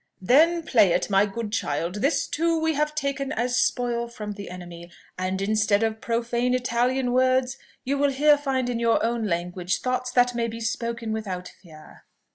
"Then play it, my good child. This too we have taken as spoil from the enemy, and instead of profane Italian words, you will here find in your own language thoughts that may be spoken without fear."